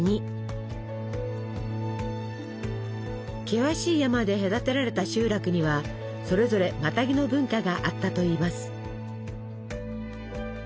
険しい山で隔てられた集落にはそれぞれマタギの文化があったといいます。